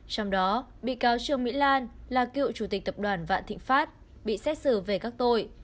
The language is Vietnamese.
trong đó bị cáo trương mỹ lan là cựu chủ tịch tập đoàn vạn thịnh pháp bị xét xử về các tội